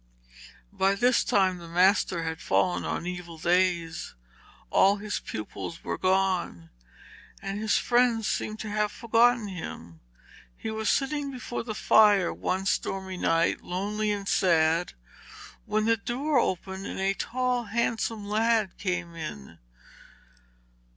By this time the master had fallen on evil days. All his pupils were gone, and his friends seemed to have forgotten him. He was sitting before the fire one stormy night, lonely and sad, when the door opened and a tall handsome lad came in.